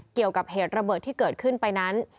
เกี่ยวกับเหตุระเบิดที่เกิดขึ้นไปนั้น